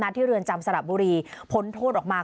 ที่เรือนจำสระบุรีพ้นโทษออกมา